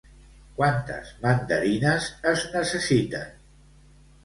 Quantes mandarines es necessiten?